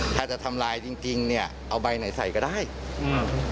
ถ้าจะทำลายจริงจริงเนี้ยเอาใบไหนใส่ก็ได้อืม